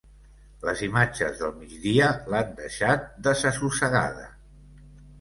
Les imatges del migdia l'han deixat desassossegada.